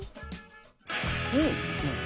うん！